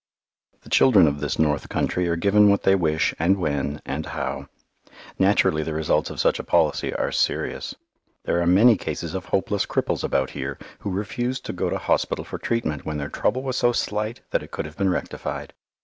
The children of this North Country are given what they wish and when and how. Naturally the results of such a policy are serious. There are many cases of hopeless cripples about here who refused to go to hospital for treatment when their trouble was so slight that it could have been rectified.